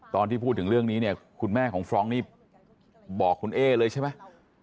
ตอนที่พูดถึงเรื่องนี้เนี่ยคุณแม่ของฟรองก์นี่บอกคุณเอ๊เลยใช่ไหม